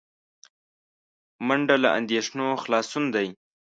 منډه له اندېښنو خلاصون دی